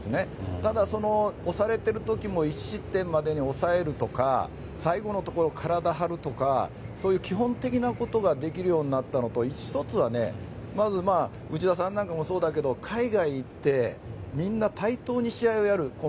ただ、押されている時も１失点までに抑えるとか最後のところで体を張るとかそういう基本的なことができるようになったのと、１つは内田さんもそうだけど海外へ行ってみんな対等に試合をやる。